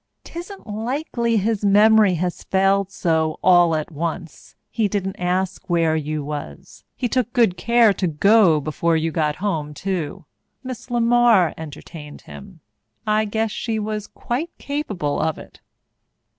"'Tisn't likely his memory has failed so all at once. He didn't ask where you was. He took good care to go before you got home too. Miss LeMar entertained him. I guess she was quite capable of it."